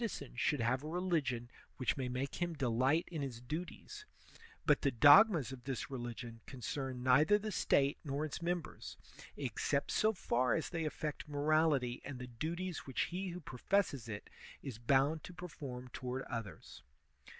124 THE SOCIAL CONTRACT should have a religion which may make him delight in his duties ; but the dogmas of this religion concern neither the State nor its members, except so far as they aflfect morality and the duties which he who professes it is bound to perform toward others.